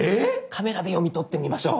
カメラで読み取ってみましょう！